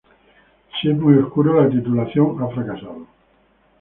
Si es muy oscuro, la titulación ha fracasado.